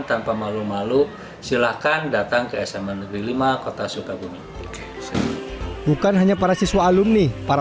tanpa malu malu silahkan datang ke sma negeri lima kota sukabumi bukan hanya para siswa alumni para